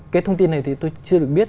cái thông tin này thì tôi chưa được biết